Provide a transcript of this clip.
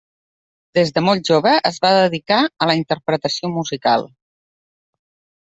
Des de molt jove es va dedicar a la interpretació musical.